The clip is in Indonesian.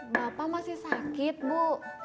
bapak masih sakit bu